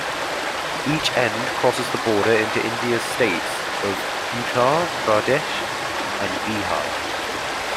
Each end crosses the border into India's states of Uttar Pradesh and Bihar.